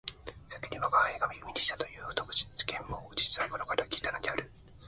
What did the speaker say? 先に吾輩が耳にしたという不徳事件も実は黒から聞いたのである